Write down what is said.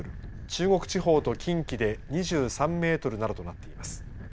中国地方と近畿で２３メートルなどとなっています。